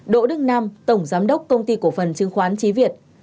đỗ đức nam tổng giám đốc công ty cổ phần chứng khoán trí việt